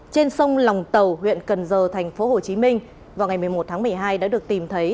trên sông lòng tàu huyện cần giờ tp hcm vào ngày một mươi một tháng một mươi hai đã được tìm thấy